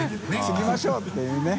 継ぎましょう」っていうね。